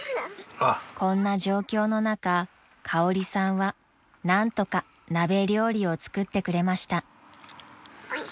［こんな状況の中かおりさんは何とか鍋料理を作ってくれました］